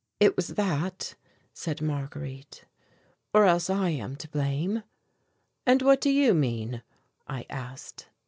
"It was that," said Marguerite, "or else I am to blame." "And what do you mean?" I asked.